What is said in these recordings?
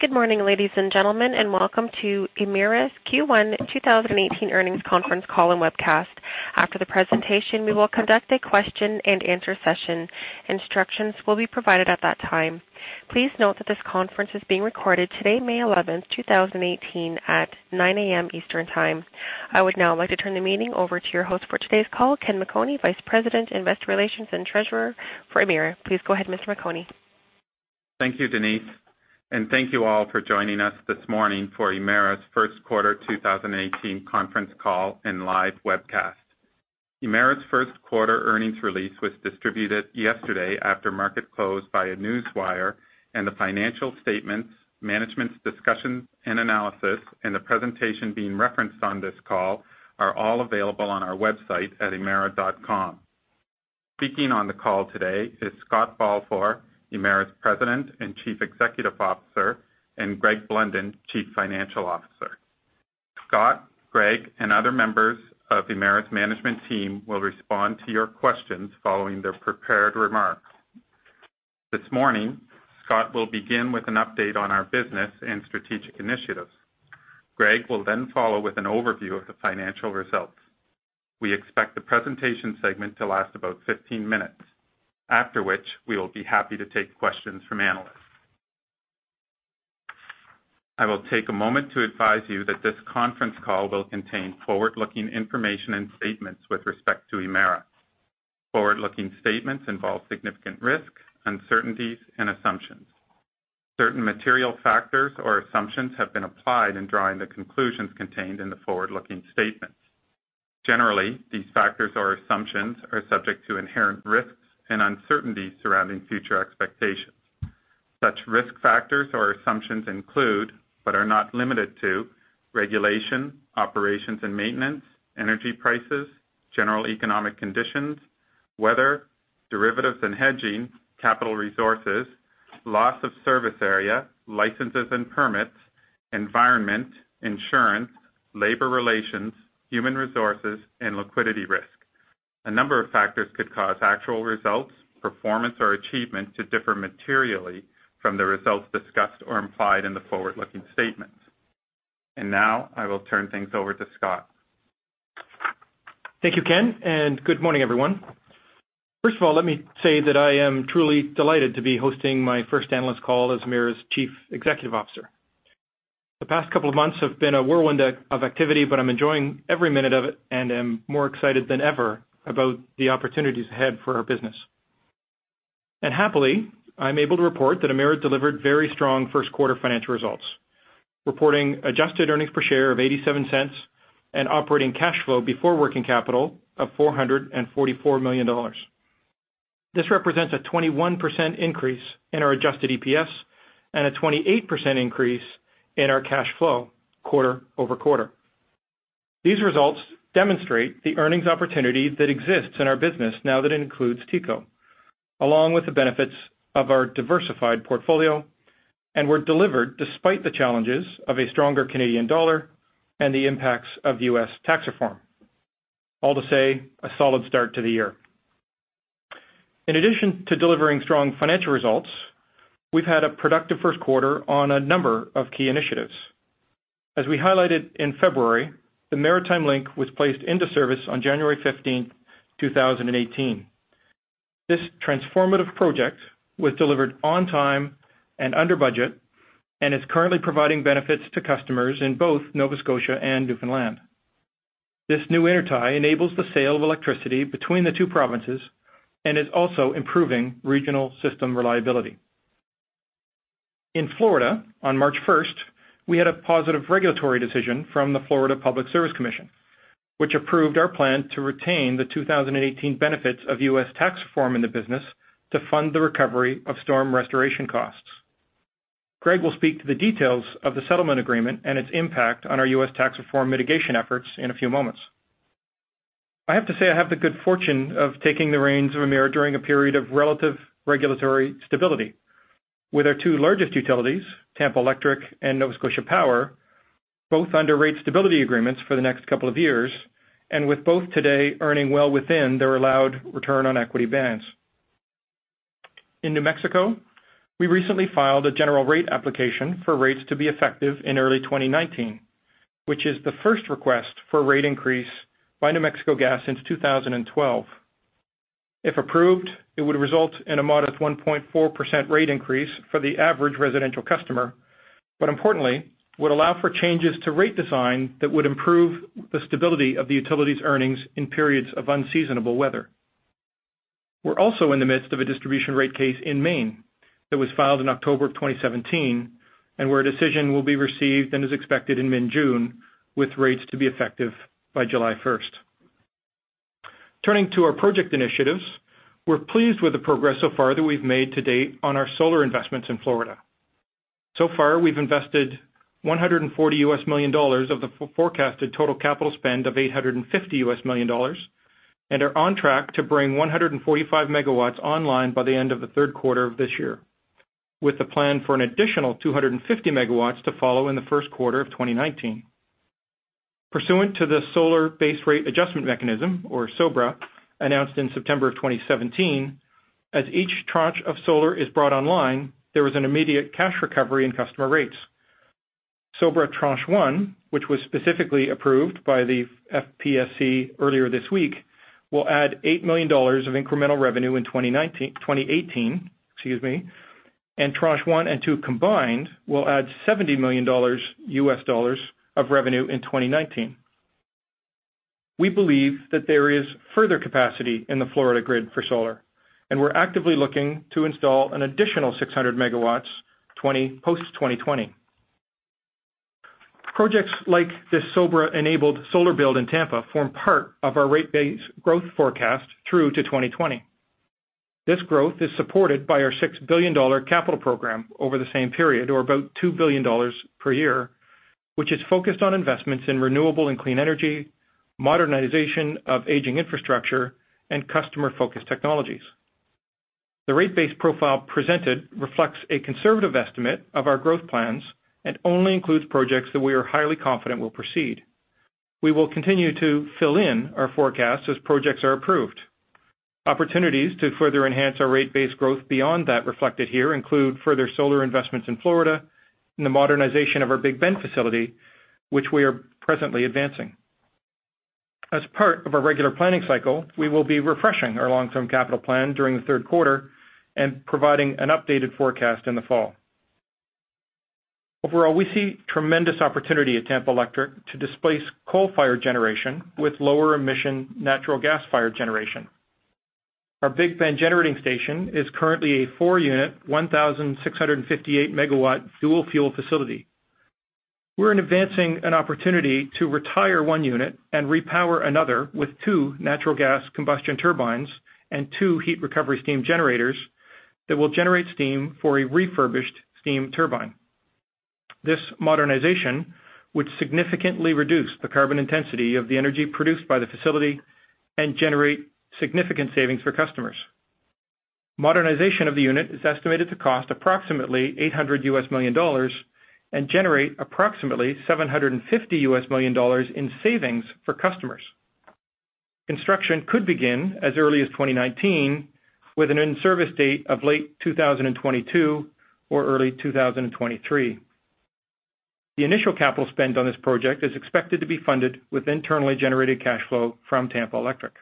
Good morning, ladies and gentlemen, and welcome to Emera's Q1 2018 earnings conference call and webcast. After the presentation, we will conduct a question and answer session. Instructions will be provided at that time. Please note that this conference is being recorded today, May 11th, 2018, at 9:00 A.M. Eastern Time. I would now like to turn the meeting over to your host for today's call, Ken McOnie, Vice President, Investor Relations and Treasurer for Emera. Please go ahead, Mr. McOnie. Thank you, Denise, and thank you all for joining us this morning for Emera's first quarter 2018 conference call and live webcast. Emera's first quarter earnings release was distributed yesterday after market close by a newswire and the financial statements, Management's Discussion and Analysis, and the presentation being referenced on this call are all available on our website at emera.com. Speaking on the call today is Scott Balfour, Emera's President and Chief Executive Officer, and Greg Blunden, Chief Financial Officer. Scott, Greg, and other members of Emera's management team will respond to your questions following their prepared remarks. This morning, Scott will begin with an update on our business and strategic initiatives. Greg will then follow with an overview of the financial results. We expect the presentation segment to last about 15 minutes. After which, we will be happy to take questions from analysts. I will take a moment to advise you that this conference call will contain forward-looking information and statements with respect to Emera. Forward-looking statements involve significant risks, uncertainties, and assumptions. Certain material factors or assumptions have been applied in drawing the conclusions contained in the forward-looking statements. Generally, these factors or assumptions are subject to inherent risks and uncertainties surrounding future expectations. Such risk factors or assumptions include, but are not limited to regulation, operations and maintenance, energy prices, general economic conditions, weather, derivatives and hedging, capital resources, loss of service area, licenses and permits, environment, insurance, labor relations, human resources, and liquidity risk. A number of factors could cause actual results, performance, or achievement to differ materially from the results discussed or implied in the forward-looking statements. Now, I will turn things over to Scott. Thank you, Ken, and good morning, everyone. First of all, let me say that I am truly delighted to be hosting my first analyst call as Emera's Chief Executive Officer. The past couple of months have been a whirlwind of activity, but I'm enjoying every minute of it and am more excited than ever about the opportunities ahead for our business. Happily, I'm able to report that Emera delivered very strong first-quarter financial results. Reporting adjusted earnings per share of 0.87 and operating cash flow before working capital of 444 million dollars. This represents a 21% increase in our adjusted EPS and a 28% increase in our cash flow quarter-over-quarter. These results demonstrate the earnings opportunity that exists in our business now that it includes TECO, along with the benefits of our diversified portfolio and were delivered despite the challenges of a stronger Canadian dollar and the impacts of U.S. tax reform. All to say, a solid start to the year. In addition to delivering strong financial results, we've had a productive first quarter on a number of key initiatives. As we highlighted in February, the Maritime Link was placed into service on January 15th, 2018. This transformative project was delivered on time and under budget and is currently providing benefits to customers in both Nova Scotia and Newfoundland. This new intertie enables the sale of electricity between the two provinces and is also improving regional system reliability. In Florida, on March 1st, we had a positive regulatory decision from the Florida Public Service Commission, which approved our plan to retain the 2018 benefits of U.S. tax reform in the business to fund the recovery of storm restoration costs. Greg will speak to the details of the settlement agreement and its impact on our U.S. tax reform mitigation efforts in a few moments. I have to say, I have the good fortune of taking the reins of Emera during a period of relative regulatory stability. With our two largest utilities, Tampa Electric and Nova Scotia Power, both under rate stability agreements for the next couple of years, and with both today earning well within their allowed return on equity bands. In New Mexico, we recently filed a general rate application for rates to be effective in early 2019, which is the first request for a rate increase by New Mexico Gas since 2012. If approved, it would result in a modest 1.4% rate increase for the average residential customer, but importantly, would allow for changes to rate design that would improve the stability of the utility's earnings in periods of unseasonable weather. We're also in the midst of a distribution rate case in Maine that was filed in October 2017 and where a decision will be received and is expected in mid-June, with rates to be effective by July 1st. Turning to our project initiatives, we're pleased with the progress so far that we've made to date on our solar investments in Florida. We've invested $140 million of the forecasted total capital spend of $850 million and are on track to bring 145 megawatts online by the end of the third quarter of this year, with the plan for an additional 250 megawatts to follow in the first quarter of 2019. Pursuant to the Solar Base Rate Adjustment Mechanism, or SoBRA, announced in September 2017, as each tranche of solar is brought online, there is an immediate cash recovery in customer rates. SoBRA tranche one, which was specifically approved by the FPSC earlier this week, will add 8 million dollars of incremental revenue in 2018, excuse me. Tranche one and two combined will add $70 million of revenue in 2019. We believe that there is further capacity in the Florida grid for solar, and we're actively looking to install an additional 600 megawatts post 2020. Projects like this SoBRA-enabled solar build in Tampa form part of our rate base growth forecast through to 2020. This growth is supported by our 6 billion dollar capital program over the same period, or about 2 billion dollars per year, which is focused on investments in renewable and clean energy, modernization of aging infrastructure, and customer-focused technologies. The rate base profile presented reflects a conservative estimate of our growth plans and only includes projects that we are highly confident will proceed. We will continue to fill in our forecast as projects are approved. Opportunities to further enhance our rate base growth beyond that reflected here include further solar investments in Florida and the modernization of our Big Bend facility, which we are presently advancing. As part of our regular planning cycle, we will be refreshing our long-term capital plan during the third quarter and providing an updated forecast in the fall. Overall, we see tremendous opportunity at Tampa Electric to displace coal-fired generation with lower emission natural gas-fired generation. Our Big Bend generating station is currently a four-unit, 1,658-megawatt dual-fuel facility. We're advancing an opportunity to retire one unit and repower another with two natural gas combustion turbines and two heat recovery steam generators that will generate steam for a refurbished steam turbine. This modernization would significantly reduce the carbon intensity of the energy produced by the facility and generate significant savings for customers. Modernization of the unit is estimated to cost approximately $800 million and generate approximately $750 million in savings for customers. Construction could begin as early as 2019 with an in-service date of late 2022 or early 2023. The initial capital spend on this project is expected to be funded with internally generated cash flow from Tampa Electric.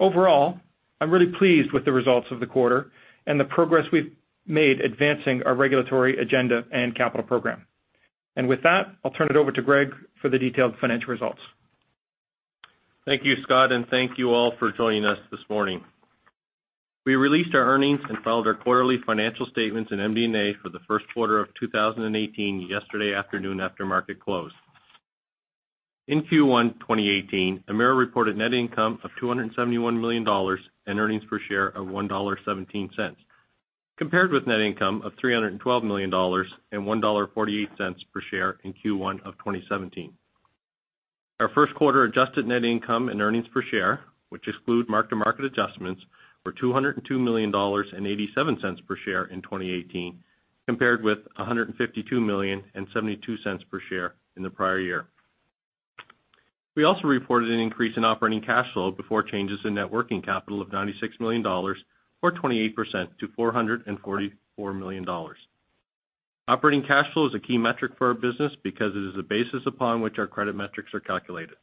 Overall, I'm really pleased with the results of the quarter and the progress we've made advancing our regulatory agenda and capital program. With that, I'll turn it over to Greg for the detailed financial results. Thank you, Scott, and thank you all for joining us this morning. We released our earnings and filed our quarterly financial statements in MD&A for the first quarter of 2018 yesterday afternoon after market close. In Q1 2018, Emera reported net income of 271 million dollars and earnings per share of 1.17 dollar, compared with net income of 312 million dollars and 1.48 dollar per share in Q1 of 2017. Our first quarter adjusted net income and earnings per share, which exclude mark-to-market adjustments, were 202 million dollars and 0.87 per share in 2018, compared with 152 million and 0.72 per share in the prior year. We also reported an increase in operating cash flow before changes in net working capital of 96 million dollars or 28% to 444 million dollars. Operating cash flow is a key metric for our business because it is the basis upon which our credit metrics are calculated.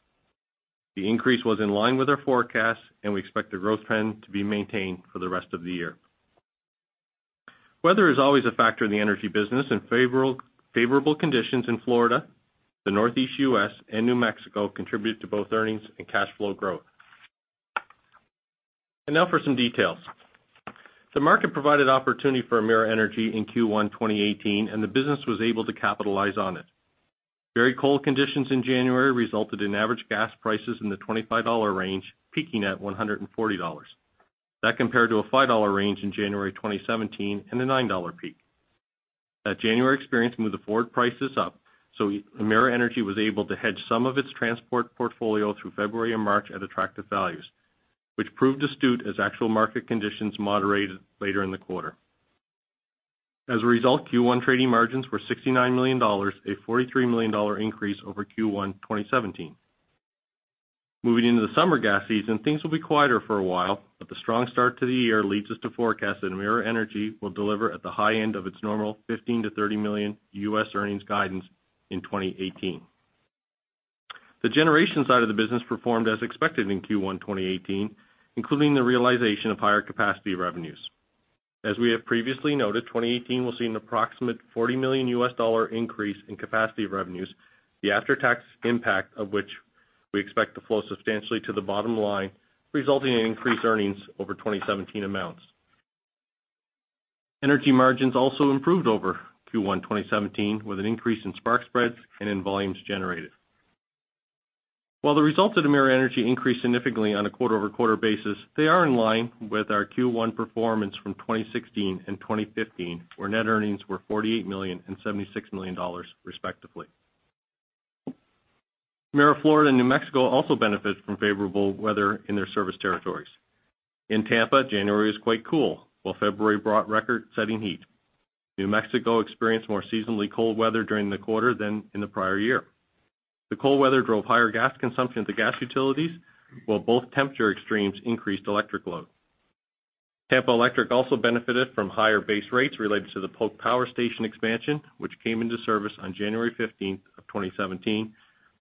The increase was in line with our forecast, and we expect the growth trend to be maintained for the rest of the year. Weather is always a factor in the energy business and favorable conditions in Florida, the Northeast U.S., and New Mexico contribute to both earnings and cash flow growth. Now for some details. The market provided opportunity for Emera Energy in Q1 2018, and the business was able to capitalize on it. Very cold conditions in January resulted in average gas prices in the 25 dollar range, peaking at 140 dollars. Compared to a 5 dollar range in January 2017 and a 9 dollar peak. January experience moved the forward prices up, so Emera Energy was able to hedge some of its transport portfolio through February and March at attractive values, which proved astute as actual market conditions moderated later in the quarter. As a result, Q1 trading margins were 69 million dollars, a 43 million dollar increase over Q1 2017. Moving into the summer gas season, things will be quieter for a while, but the strong start to the year leads us to forecast that Emera Energy will deliver at the high end of its normal $15 million-$30 million earnings guidance in 2018. The generation side of the business performed as expected in Q1 2018, including the realization of higher capacity revenues. As we have previously noted, 2018 will see an approximate $40 million increase in capacity revenues, the after-tax impact of which we expect to flow substantially to the bottom line, resulting in increased earnings over 2017 amounts. Energy margins also improved over Q1 2017, with an increase in spark spreads and in volumes generated. While the results of Emera Energy increased significantly on a quarter-over-quarter basis, they are in line with our Q1 performance from 2016 and 2015, where net earnings were 48 million and 76 million dollars respectively. Emera Florida and New Mexico also benefit from favorable weather in their service territories. In Tampa, January was quite cool, while February brought record-setting heat. New Mexico experienced more seasonally cold weather during the quarter than in the prior year. The cold weather drove higher gas consumption at the gas utilities, while both temperature extremes increased electric load. Tampa Electric also benefited from higher base rates related to the Polk Power Station expansion, which came into service on January 15th, 2017,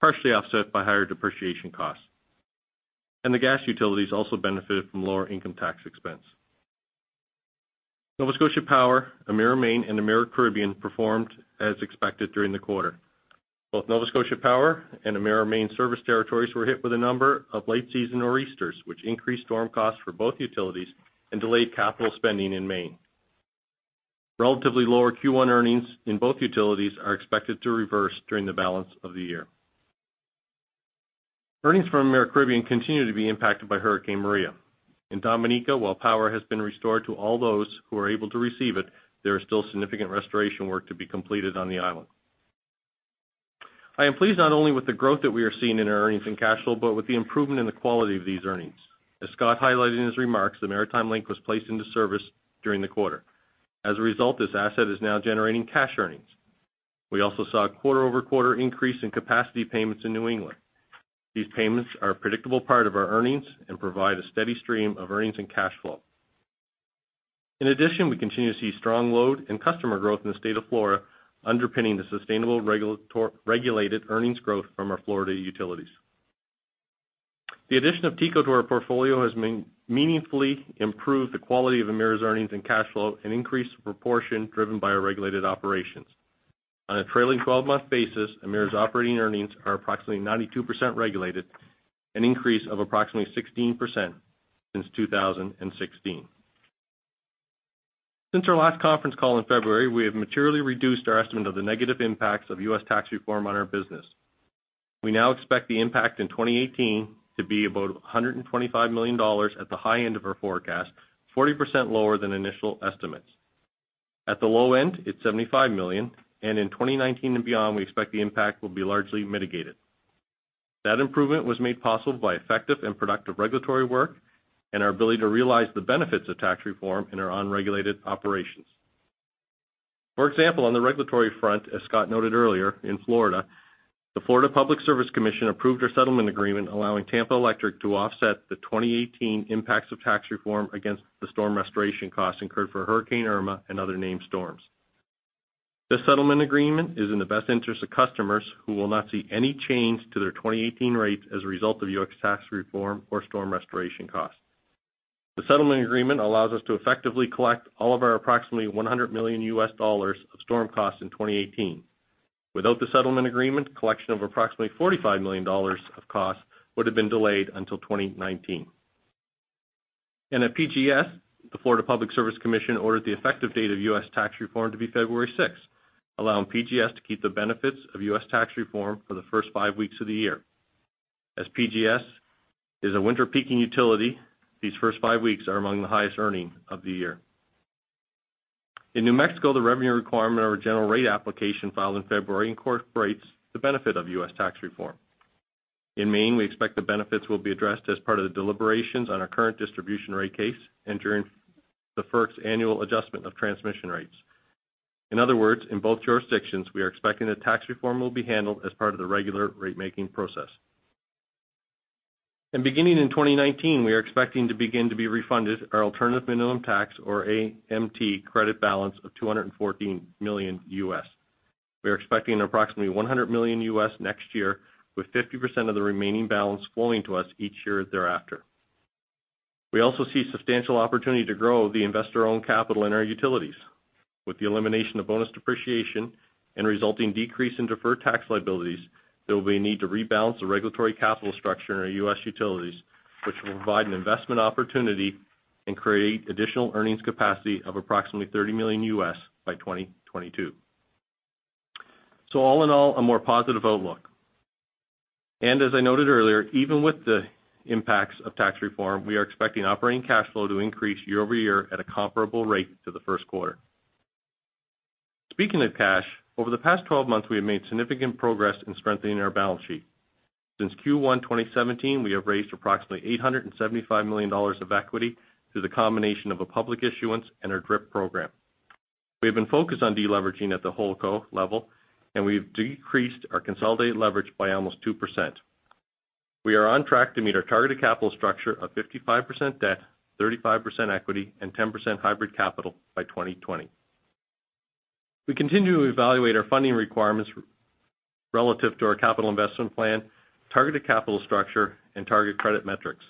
partially offset by higher depreciation costs. The gas utilities also benefited from lower income tax expense. Nova Scotia Power, Emera Maine, and Emera Caribbean performed as expected during the quarter. Both Nova Scotia Power and Emera Maine service territories were hit with a number of late season nor'easters, which increased storm costs for both utilities and delayed capital spending in Maine. Relatively lower Q1 earnings in both utilities are expected to reverse during the balance of the year. Earnings from Emera Caribbean continue to be impacted by Hurricane Maria. In Dominica, while power has been restored to all those who are able to receive it, there is still significant restoration work to be completed on the island. I am pleased not only with the growth that we are seeing in our earnings and cash flow, but with the improvement in the quality of these earnings. As Scott highlighted in his remarks, the Maritime Link was placed into service during the quarter. As a result, this asset is now generating cash earnings. We also saw a quarter-over-quarter increase in capacity payments in New England. These payments are a predictable part of our earnings and provide a steady stream of earnings and cash flow. In addition, we continue to see strong load and customer growth in the state of Florida underpinning the sustainable regulated earnings growth from our Florida utilities. The addition of TECO to our portfolio has meaningfully improved the quality of Emera's earnings and cash flow and increased the proportion driven by our regulated operations. On a trailing 12-month basis, Emera's operating earnings are approximately 92% regulated, an increase of approximately 16% since 2016. Since our last conference call in February, we have materially reduced our estimate of the negative impacts of U.S. tax reform on our business. We now expect the impact in 2018 to be about $125 million at the high end of our forecast, 40% lower than initial estimates. At the low end, it is $75 million, and in 2019 and beyond, we expect the impact will be largely mitigated. That improvement was made possible by effective and productive regulatory work and our ability to realize the benefits of tax reform in our unregulated operations. For example, on the regulatory front, as Scott noted earlier, in Florida, the Florida Public Service Commission approved our settlement agreement, allowing Tampa Electric to offset the 2018 impacts of tax reform against the storm restoration costs incurred for Hurricane Irma and other named storms. This settlement agreement is in the best interest of customers who will not see any change to their 2018 rates as a result of U.S. tax reform or storm restoration costs. The settlement agreement allows us to effectively collect all of our approximately $100 million U.S. dollars of storm costs in 2018. Without the settlement agreement, collection of approximately $45 million of costs would have been delayed until 2019. At PGS, the Florida Public Service Commission ordered the effective date of U.S. tax reform to be February 6th, allowing PGS to keep the benefits of U.S. tax reform for the first five weeks of the year. As PGS is a winter-peaking utility, these first five weeks are among the highest earning of the year. In New Mexico, the revenue requirement of our general rate application filed in February incorporates the benefit of U.S. tax reform. In Maine, we expect the benefits will be addressed as part of the deliberations on our current distribution rate case and during the FERC's annual adjustment of transmission rates. In other words, in both jurisdictions, we are expecting that tax reform will be handled as part of the regular rate-making process. Beginning in 2019, we are expecting to begin to be refunded our alternative minimum tax or AMT credit balance of $214 million. We are expecting approximately $100 million next year, with 50% of the remaining balance flowing to us each year thereafter. We also see substantial opportunity to grow the investor-owned capital in our utilities. With the elimination of bonus depreciation and resulting decrease in deferred tax liabilities, there will be a need to rebalance the regulatory capital structure in our U.S. utilities, which will provide an investment opportunity and create additional earnings capacity of approximately $30 million by 2022. All in all, a more positive outlook. As I noted earlier, even with the impacts of tax reform, we are expecting operating cash flow to increase year-over-year at a comparable rate to the first quarter. Speaking of cash, over the past 12 months, we have made significant progress in strengthening our balance sheet. Since Q1 2017, we have raised approximately 875 million dollars of equity through the combination of a public issuance and our DRIP program. We have been focused on de-leveraging at the holdco level, and we've decreased our consolidated leverage by almost 2%. We are on track to meet our targeted capital structure of 55% debt, 35% equity, and 10% hybrid capital by 2020. We continue to evaluate our funding requirements relative to our capital investment plan, targeted capital structure, and target credit metrics.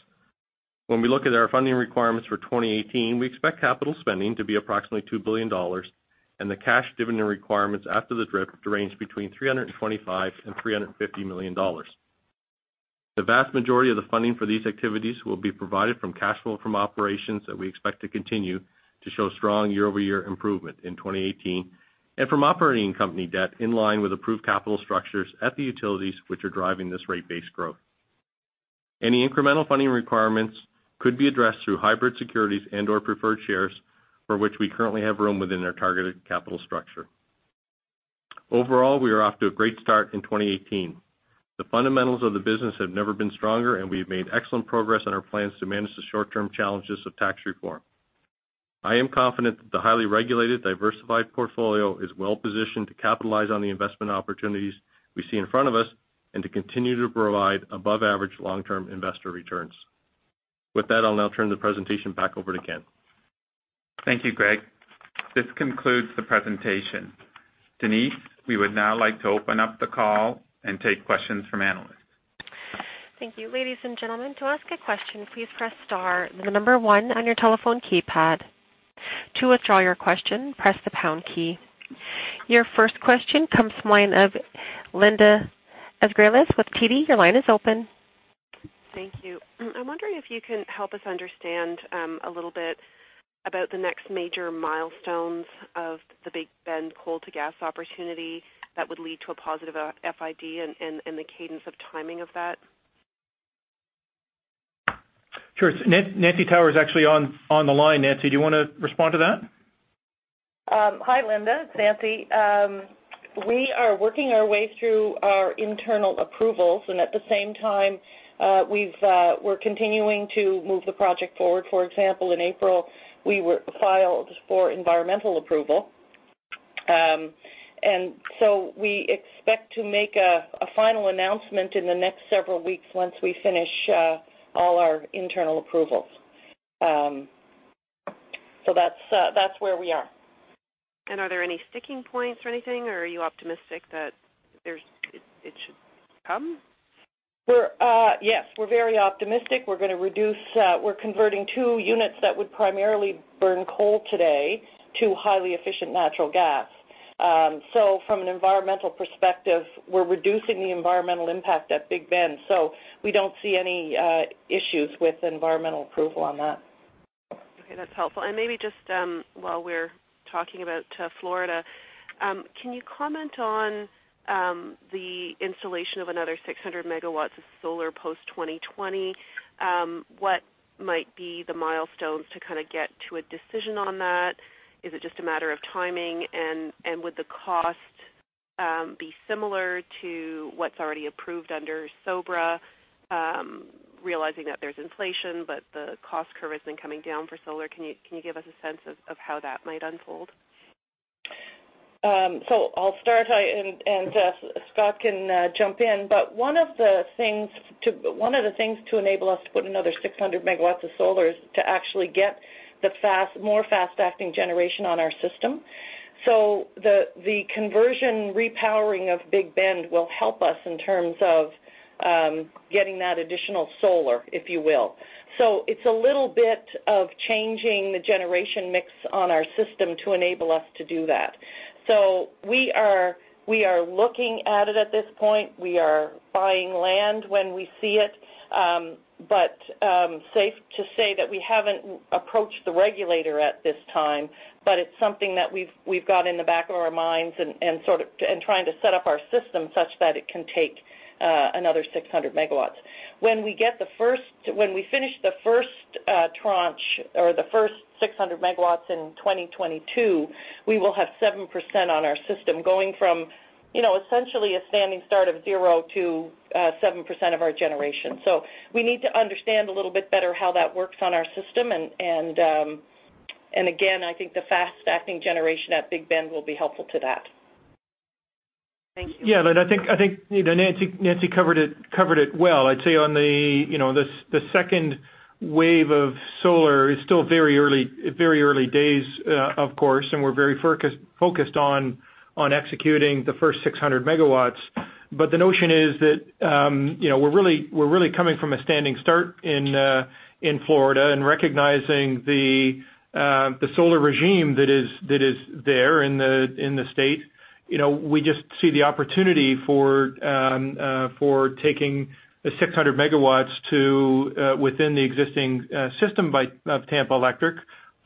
When we look at our funding requirements for 2018, we expect capital spending to be approximately 2 billion dollars, and the cash dividend requirements after the DRIP to range between 325 million and 350 million dollars. The vast majority of the funding for these activities will be provided from cash flow from operations that we expect to continue to show strong year-over-year improvement in 2018 and from operating company debt in line with approved capital structures at the utilities which are driving this rate base growth. Any incremental funding requirements could be addressed through hybrid securities and/or preferred shares, for which we currently have room within our targeted capital structure. Overall, we are off to a great start in 2018. The fundamentals of the business have never been stronger, and we have made excellent progress on our plans to manage the short-term challenges of tax reform. I am confident that the highly regulated, diversified portfolio is well-positioned to capitalize on the investment opportunities we see in front of us and to continue to provide above-average long-term investor returns. With that, I'll now turn the presentation back over to Ken. Thank you, Greg. This concludes the presentation. Denise, we would now like to open up the call and take questions from analysts. Thank you. Ladies and gentlemen, to ask a question, please press star then the number one on your telephone keypad. To withdraw your question, press the pound key. Your first question comes from the line of Linda Ezergailis with TD. Your line is open. Thank you. I'm wondering if you can help us understand a little bit about the next major milestones of the Big Bend coal to gas opportunity that would lead to a positive FID and the cadence of timing of that. Sure. Nancy Tower is actually on the line. Nancy, do you want to respond to that? Hi, Linda. It's Nancy. We are working our way through our internal approvals, and at the same time, we're continuing to move the project forward. For example, in April, we filed for environmental approval. We expect to make a final announcement in the next several weeks once we finish all our internal approvals. That's where we are. Are there any sticking points or anything, or are you optimistic that it should come? Yes, we're very optimistic. We're converting two units that would primarily burn coal today to highly efficient natural gas. From an environmental perspective, we're reducing the environmental impact at Big Bend, so we don't see any issues with environmental approval on that. Okay, that's helpful. Maybe just while we're talking about Florida, can you comment on the installation of another 600 MW of solar post-2020? What might be the milestones to kind of get to a decision on that? Is it just a matter of timing? Would the cost be similar to what's already approved under SoBRA? Realizing that there's inflation, but the cost curve isn't coming down for solar. Can you give us a sense of how that might unfold? I'll start, and Scott can jump in. One of the things to enable us to put another 600 MW of solar is to actually get more fast-acting generation on our system. The conversion repowering of Big Bend will help us in terms of getting that additional solar, if you will. It's a little bit of changing the generation mix on our system to enable us to do that. We are looking at it at this point. We are buying land when we see it. Safe to say that we haven't approached the regulator at this time, but it's something that we've got in the back of our minds and trying to set up our system such that it can take another 600 MW. When we finish the first tranche or the first 600 MW in 2022, we will have 7% on our system going from essentially a standing start of zero to 7% of our generation. We need to understand a little bit better how that works on our system. Again, I think the fast-acting generation at Big Bend will be helpful to that. Thank you. Yeah. I think Nancy covered it well. I'd say on the second wave of solar is still very early days, of course, we're very focused on executing the first 600 MW. The notion is that we're really coming from a standing start in Florida and recognizing the solar regime that is there in the state. We just see the opportunity for taking the 600 MW to within the existing system of Tampa Electric,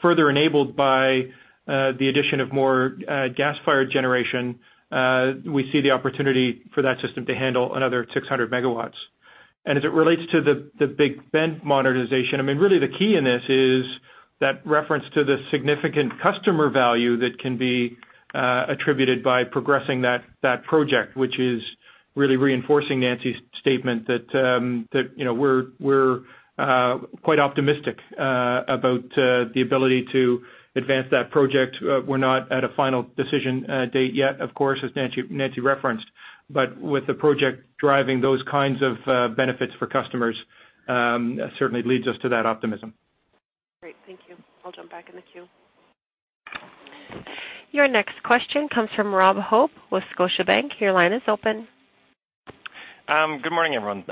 further enabled by the addition of more gas-fired generation. We see the opportunity for that system to handle another 600 MW. As it relates to the Big Bend modernization, really the key in this is that reference to the significant customer value that can be attributed by progressing that project, which is really reinforcing Nancy's statement that we're quite optimistic about the ability to advance that project. We're not at a final decision date yet, of course, as Nancy referenced. With the project driving those kinds of benefits for customers, certainly leads us to that optimism. Great. Thank you. I'll jump back in the queue. Your next question comes from Robert Hope with Scotiabank. Your line is open. Good morning, everyone.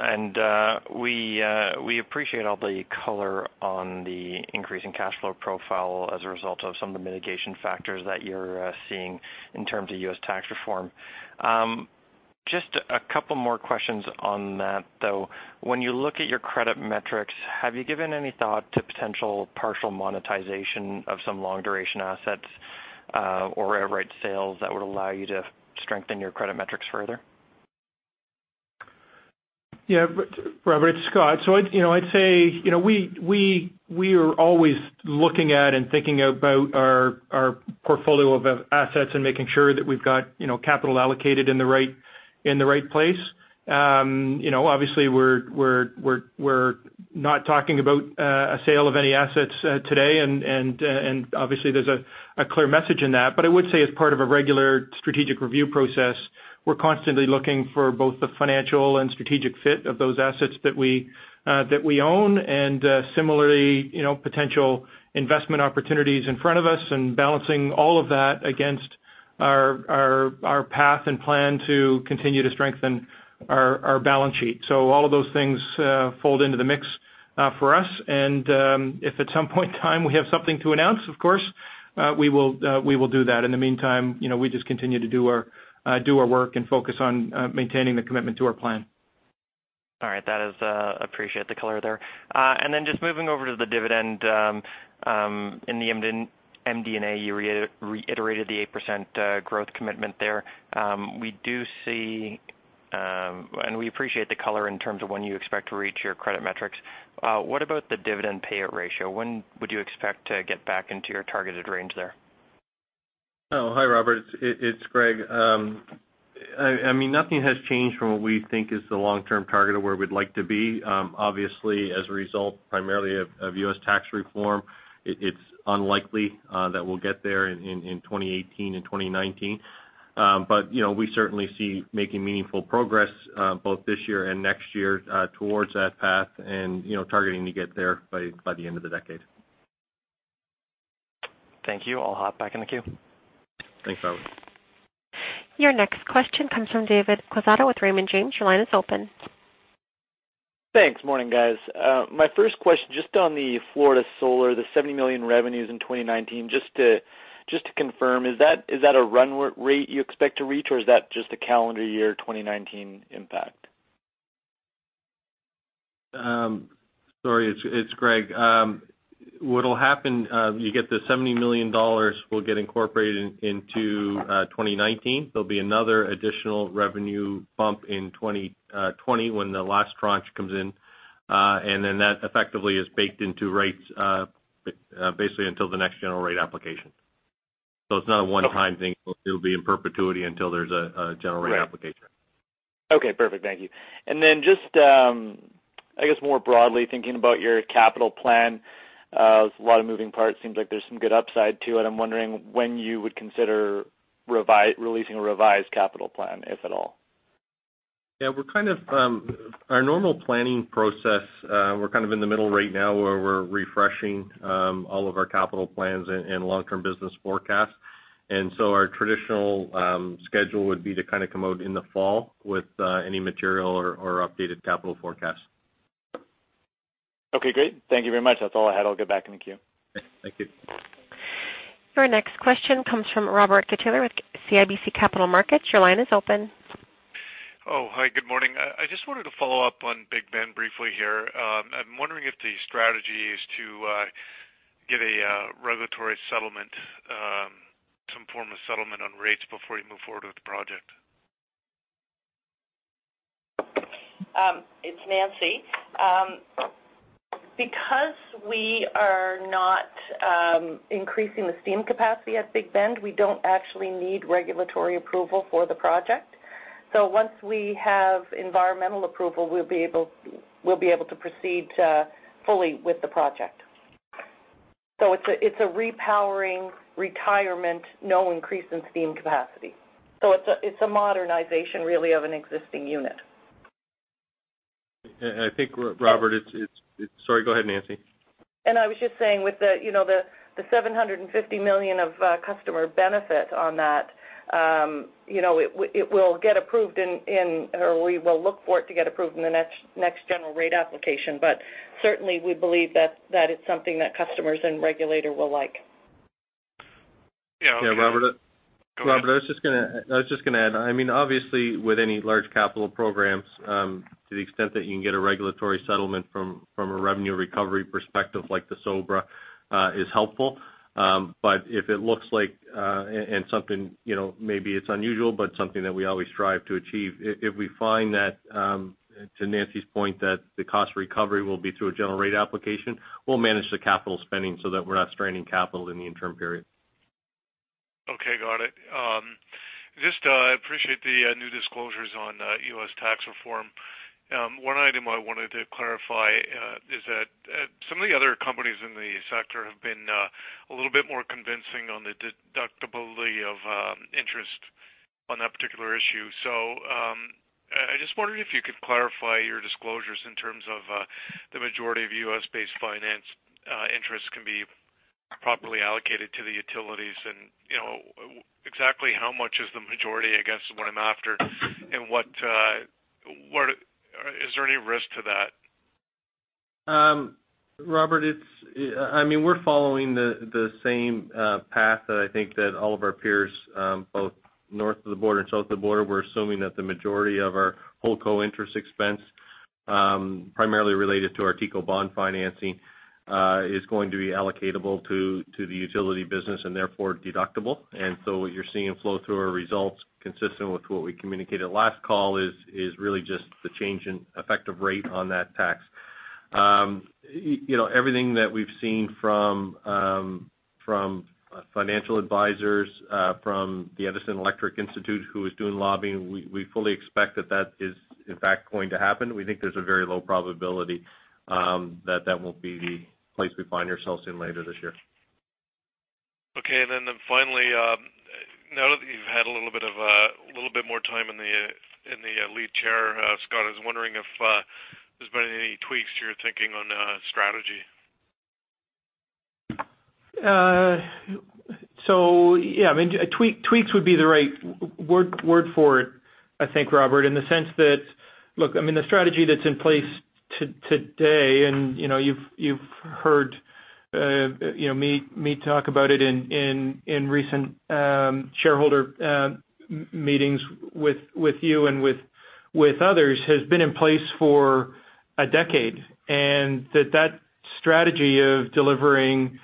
We appreciate all the color on the increasing cash flow profile as a result of some of the mitigation factors that you're seeing in terms of U.S. tax reform. Just a couple more questions on that, though. When you look at your credit metrics, have you given any thought to potential partial monetization of some long-duration assets or air rights sales that would allow you to strengthen your credit metrics further? Yeah. Robert, it's Scott. I'd say, we are always looking at and thinking about our portfolio of assets and making sure that we've got capital allocated in the right place. Obviously, we're not talking about a sale of any assets today, obviously there's a clear message in that. I would say as part of a regular strategic review process, we're constantly looking for both the financial and strategic fit of those assets that we own, similarly, potential investment opportunities in front of us and balancing all of that against our path and plan to continue to strengthen our balance sheet. All of those things fold into the mix for us. If at some point in time we have something to announce, of course, we will do that. In the meantime, we just continue to do our work and focus on maintaining the commitment to our plan. All right. Appreciate the color there. Then just moving over to the dividend, in the MD&A, you reiterated the 8% growth commitment there. We do see, and we appreciate the color in terms of when you expect to reach your credit metrics. What about the dividend payout ratio? When would you expect to get back into your targeted range there? Oh, hi, Robert. It's Greg. Nothing has changed from what we think is the long-term target of where we'd like to be. Obviously, as a result primarily of U.S. tax reform, it's unlikely that we'll get there in 2018 and 2019. We certainly see making meaningful progress both this year and next year towards that path and targeting to get there by the end of the decade. Thank you. I'll hop back in the queue. Thanks, Robert. Your next question comes from David Quezada with Raymond James. Your line is open. Thanks. Morning, guys. My first question, just on the Florida Solar, the 70 million revenues in 2019, just to confirm, is that a run rate you expect to reach or is that just a calendar year 2019 impact? Sorry, it's Greg. What'll happen, you get the 70 million dollars will get incorporated into 2019. There'll be another additional revenue bump in 2020 when the last tranche comes in. That effectively is baked into rates basically until the next general rate application. It's not a one-time thing. It'll be in perpetuity until there's a general rate application. Okay, perfect. Thank you. Just, I guess more broadly, thinking about your capital plan, there's a lot of moving parts. Seems like there's some good upside to it. I'm wondering when you would consider releasing a revised capital plan, if at all. Yeah. Our normal planning process, we're kind of in the middle right now where we're refreshing all of our capital plans and long-term business forecasts. Our traditional schedule would be to kind of come out in the fall with any material or updated capital forecast. Okay, great. Thank you very much. That's all I had. I'll get back in the queue. Thank you. Your next question comes from Robert Catellier with CIBC Capital Markets. Your line is open. Hi. Good morning. I just wanted to follow up on Big Bend briefly here. I'm wondering if the strategy is to get a regulatory settlement, some form of settlement on rates before you move forward with the project. It's Nancy. Because we are not increasing the steam capacity at Big Bend, we don't actually need regulatory approval for the project. Once we have environmental approval, we'll be able to proceed fully with the project. It's a repowering retirement, no increase in steam capacity. It's a modernization, really, of an existing unit. I think, Robert, Sorry, go ahead, Nancy. I was just saying with the 750 million of customer benefit on that, we will look for it to get approved in the next general rate application. Certainly, we believe that that is something that customers and regulator will like. Yeah. Robert, I was just going to add. Obviously, with any large capital programs, to the extent that you can get a regulatory settlement from a revenue recovery perspective, like the SoBRA, is helpful. If it looks like, and maybe it's unusual, but something that we always strive to achieve. If we find that, to Nancy's point, that the cost recovery will be through a general rate application, we'll manage the capital spending so that we're not straining capital in the interim period. Okay. Got it. I appreciate the new disclosures on U.S. tax reform. One item I wanted to clarify is that some of the other companies in the sector have been a little bit more convincing on the deductibility of interest on that particular issue. I just wondered if you could clarify your disclosures in terms of the majority of U.S.-based finance interests can be properly allocated to the utilities and exactly how much is the majority, I guess, is what I'm after. Is there any risk to that? Robert, we're following the same path that I think that all of our peers, both north of the border and south of the border, we're assuming that the majority of our holdco interest expense, primarily related to our TECO bond financing, is going to be allocatable to the utility business and therefore deductible. What you're seeing flow through our results consistent with what we communicated last call is really just the change in effective rate on that tax. Everything that we've seen from financial advisors, from the Edison Electric Institute, who is doing lobbying, we fully expect that is in fact going to happen. We think there's a very low probability that that won't be the place we find ourselves in later this year. Finally, now that you've had a little bit more time in the lead chair, Scott, I was wondering if there's been any tweaks to your thinking on strategy. Yeah, tweaks would be the right word for it, I think, Robert, in the sense that, look, the strategy that's in place today, and you've heard me talk about it in recent shareholder meetings with you and with others, has been in place for a decade, and that strategy of delivering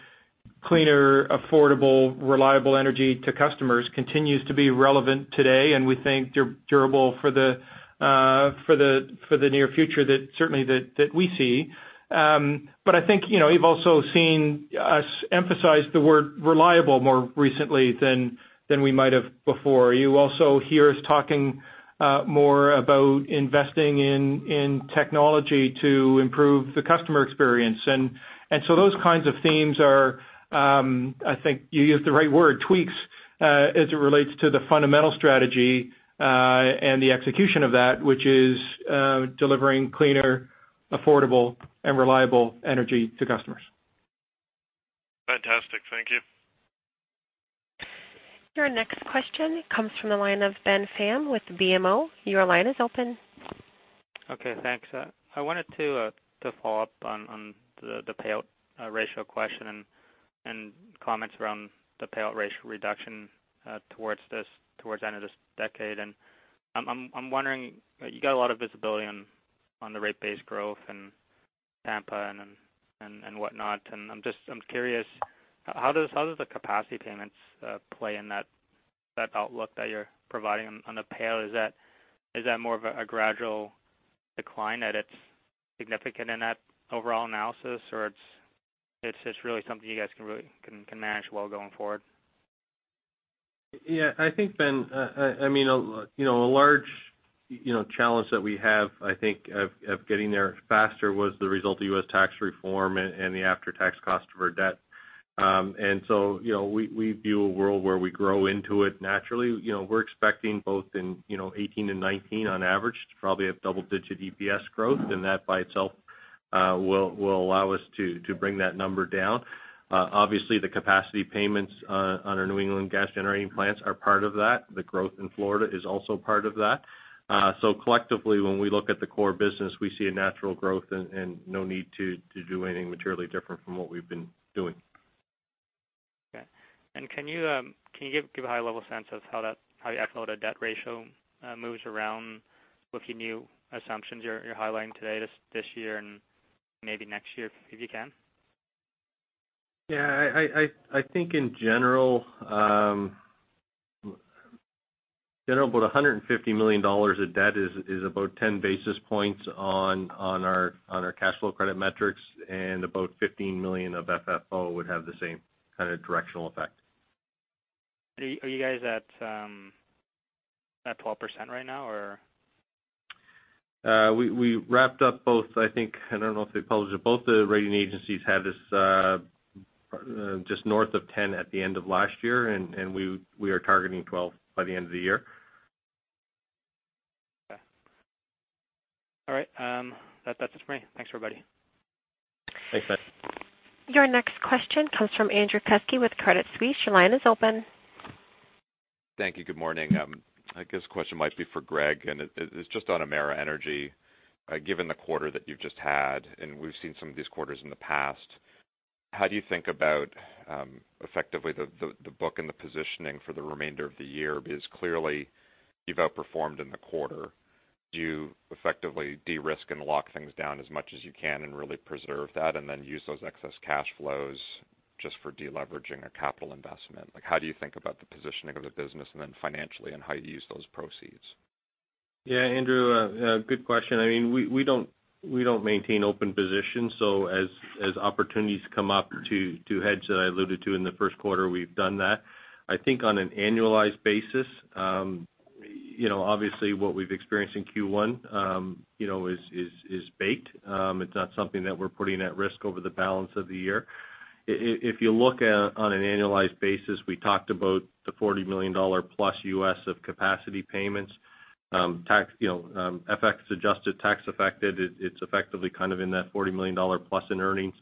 cleaner, affordable, reliable energy to customers continues to be relevant today and we think durable for the near future, certainly that we see. I think you've also seen us emphasize the word reliable more recently than we might have before. You also hear us talking more about investing in technology to improve the customer experience. Those kinds of themes are, I think you used the right word, tweaks, as it relates to the fundamental strategy, and the execution of that, which is delivering cleaner, affordable, and reliable energy to customers. Fantastic. Thank you. Your next question comes from the line of Ben Pham with BMO. Your line is open. Okay, thanks. I wanted to follow up on the payout ratio question and comments around the payout ratio reduction towards the end of this decade. I'm wondering, you got a lot of visibility on the rate base growth in Tampa and whatnot, and I'm curious, how does the capacity payments play in that outlook that you're providing on the payout? Is that more of a gradual decline that it's significant in that overall analysis? Or it's really something you guys can manage well going forward? Yeah, I think, Ben, a large challenge that we have, I think, of getting there faster was the result of U.S. tax reform and the after-tax cost of our debt. We view a world where we grow into it naturally. We're expecting both in 2018 and 2019 on average to probably have double-digit EPS growth, and that by itself will allow us to bring that number down. Obviously, the capacity payments on our New England gas generating plants are part of that. The growth in Florida is also part of that. Collectively, when we look at the core business, we see a natural growth and no need to do anything materially different from what we've been doing. Okay. Can you give a high-level sense of how the actual debt ratio moves around with the new assumptions you're highlighting today, this year, and maybe next year, if you can? Yeah. I think in general, about 150 million dollars of debt is about 10 basis points on our cash flow credit metrics, and about 15 million of FFO would have the same kind of directional effect. Are you guys at 12% right now, or? We wrapped up both, I think, I don't know if they published it. Both the rating agencies had us just north of 10 at the end of last year, and we are targeting 12 by the end of the year. Okay. All right. That's it for me. Thanks, everybody. Thanks, Ben. Your next question comes from Andrew Kuske with Credit Suisse. Your line is open. Thank you. Good morning. I guess this question might be for Greg. It's just on Emera Energy. Given the quarter that you've just had, and we've seen some of these quarters in the past, how do you think about effectively the book and the positioning for the remainder of the year? Clearly you've outperformed in the quarter. Do you effectively de-risk and lock things down as much as you can and really preserve that, and then use those excess cash flows just for de-leveraging a capital investment? How do you think about the positioning of the business and then financially and how you use those proceeds? Andrew, good question. We don't maintain open positions. As opportunities come up to hedge that I alluded to in the first quarter, we've done that. I think on an annualized basis, obviously what we've experienced in Q1 is baked. It's not something that we're putting at risk over the balance of the year. If you look at on an annualized basis, we talked about the $40 million-plus of capacity payments. FX-adjusted, tax affected, it's effectively kind of in that $40 million-plus in earnings.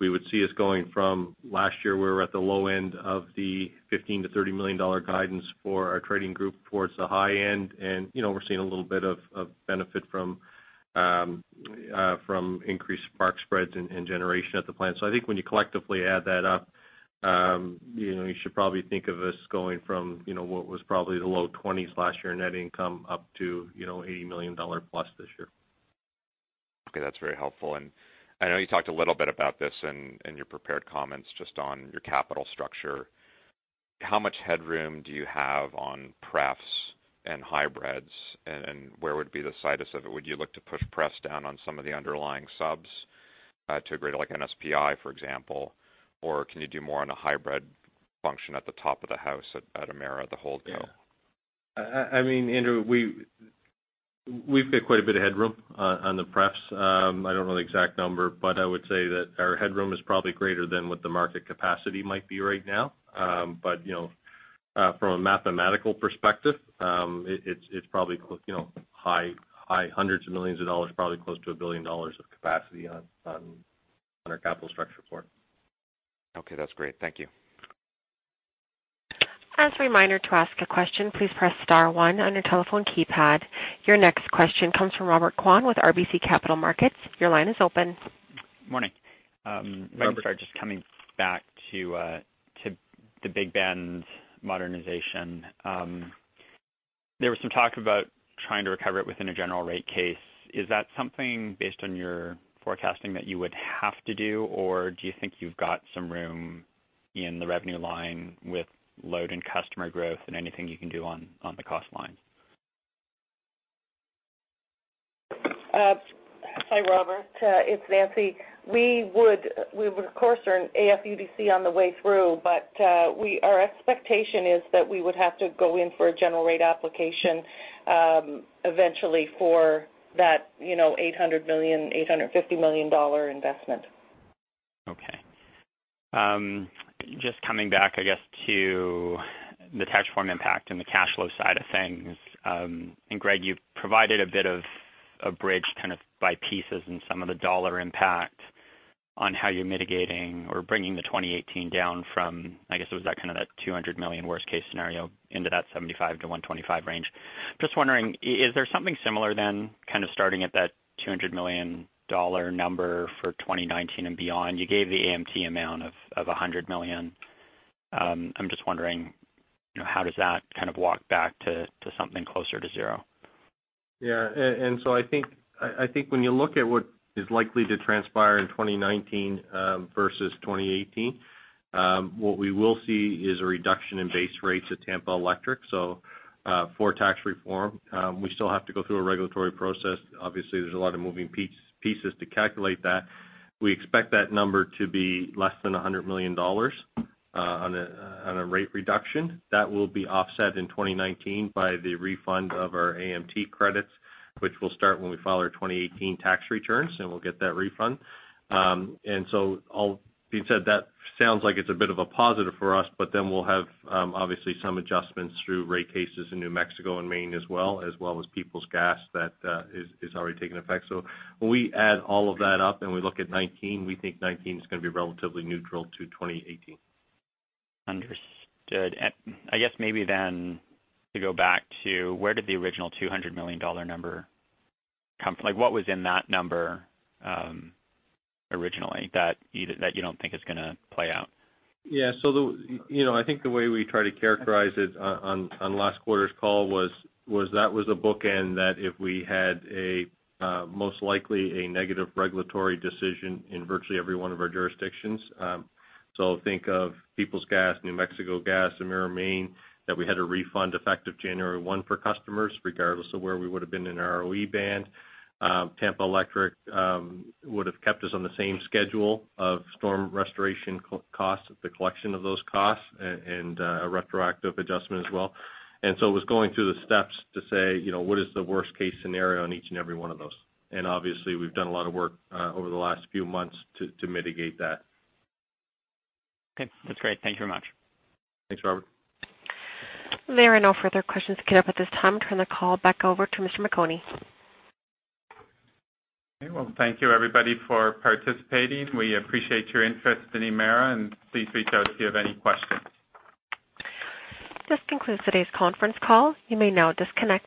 We would see us going from last year, we were at the low end of the $15 million to $30 million guidance for our trading group towards the high end. We're seeing a little bit of benefit from increased spark spreads and generation at the plant. I think when you collectively add that up, you should probably think of us going from what was probably the low twenties last year net income up to $80 million-plus this year. Okay. That's very helpful. I know you talked a little bit about this in your prepared comments, just on your capital structure. How much headroom do you have on pref and hybrids, and where would be the situs of it? Would you look to push pref down on some of the underlying subs to a greater, like NSPI, for example, or can you do more on a hybrid function at the top of the house at Emera, the holdco? Andrew, we've got quite a bit of headroom on the pref. I don't know the exact number, but I would say that our headroom is probably greater than what the market capacity might be right now. From a mathematical perspective, it's probably CAD high hundreds of millions, probably close to 1 billion dollars of capacity on our capital structure for it. Okay. That's great. Thank you. As a reminder, to ask a question, please press star 1 on your telephone keypad. Your next question comes from Robert Kwan with RBC Capital Markets. Your line is open. Morning. Robert. Let me start just coming back to the Big Bend modernization. There was some talk about trying to recover it within a general rate case. Is that something based on your forecasting that you would have to do, or do you think you've got some room in the revenue line with load and customer growth and anything you can do on the cost line? Hi, Robert. It's Nancy. We would, of course, earn AFUDC on the way through, but our expectation is that we would have to go in for a general rate application eventually for that $800 million, $850 million investment. Okay. Just coming back, I guess, to the tax form impact and the cash flow side of things. Greg, you've provided a bit of a bridge kind of by pieces and some of the dollar impact on how you're mitigating or bringing the 2018 down from, I guess it was that kind of that $200 million worst-case scenario into that $75-$125 range. Just wondering, is there something similar then kind of starting at that $200 million number for 2019 and beyond? You gave the AMT amount of $100 million. I'm just wondering, how does that kind of walk back to something closer to zero? Yeah. I think when you look at what is likely to transpire in 2019 versus 2018, what we will see is a reduction in base rates at Tampa Electric. For tax reform, we still have to go through a regulatory process. Obviously, there's a lot of moving pieces to calculate that. We expect that number to be less than $100 million on a rate reduction. That will be offset in 2019 by the refund of our AMT credits, which will start when we file our 2018 tax returns, and we'll get that refund. All being said, that sounds like it's a bit of a positive for us, we'll have, obviously, some adjustments through rate cases in New Mexico and Maine as well, as well as Peoples Gas that is already taking effect. When we add all of that up and we look at 2019, we think 2019 is going to be relatively neutral to 2018. Understood. I guess maybe then to go back to what was in that number originally that you don't think is going to play out? Yeah. I think the way we try to characterize it on last quarter's call was that was a bookend that if we had a most likely a negative regulatory decision in virtually every one of our jurisdictions. Think of Peoples Gas, New Mexico Gas, Emera Maine, that we had to refund effective January 1 for customers, regardless of where we would've been in our ROE band. Tampa Electric would've kept us on the same schedule of storm restoration costs, the collection of those costs, and a retroactive adjustment as well. It was going through the steps to say, what is the worst-case scenario in each and every one of those? Obviously, we've done a lot of work over the last few months to mitigate that. Okay. That's great. Thank you very much. Thanks, Robert. There are no further questions queued up at this time. Turn the call back over to Mr. McOnie. Okay. Well, thank you everybody for participating. We appreciate your interest in Emera, and please reach out if you have any questions. This concludes today's conference call. You may now disconnect.